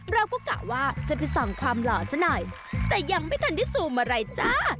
กะว่าจะไปส่องความหล่อซะหน่อยแต่ยังไม่ทันได้ซูมอะไรจ้า